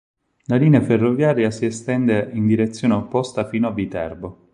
La linea ferroviaria si estende in direzione opposta fino a Viterbo.